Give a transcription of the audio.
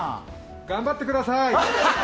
頑張ってください！